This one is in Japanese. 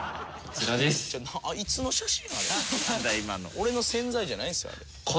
俺の宣材じゃないんですよあれ。